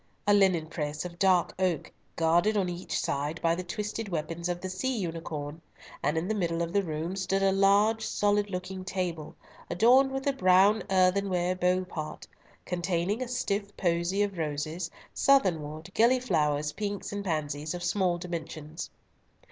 e. a linen press of dark oak, guarded on each side by the twisted weapons of the sea unicorn, and in the middle of the room stood a large, solid looking table, adorned with a brown earthenware beau pot, containing a stiff posy of roses, southernwood, gillyflowers, pinks and pansies, of small dimensions.